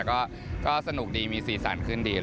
ก็สนุกดีมีสีสันขึ้นดี